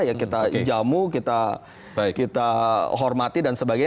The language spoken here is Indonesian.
ya kita jamu kita hormati dan sebagainya